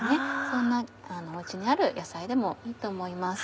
そんなお家にある野菜でもいいと思います。